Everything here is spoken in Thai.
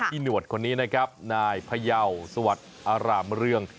หนวดคนนี้นะครับนายพยาวสวัสดิ์อารามเรือง